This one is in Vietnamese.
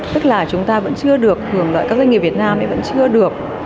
tức là chúng ta vẫn chưa được hưởng lại các doanh nghiệp việt nam vẫn chưa được